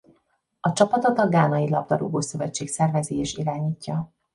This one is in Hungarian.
A csapatot a ghánai labdarúgó-szövetség szervezi és irányítja.